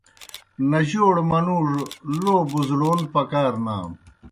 نجوڑہ منُوڙوْ لو بُزڑَون پکار نانوْ۔